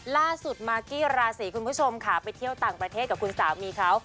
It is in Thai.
ล่าสุดมากกี้ราศีคุณผู้ชมค่ะไปเที่ยวต่างประเทศกับคุณสามีเขา